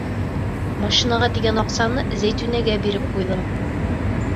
Машинаға тигән аҡсаны Зәйтүнәгә биреп ҡуйҙың.